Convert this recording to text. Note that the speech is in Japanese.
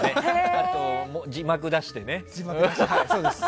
あとは字幕を出してね。